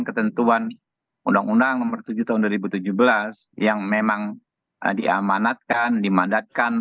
ketentuan undang undang nomor tujuh tahun dua ribu tujuh belas yang memang diamanatkan dimandatkan